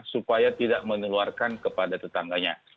supaya tidak meneluarkan kepada tetangganya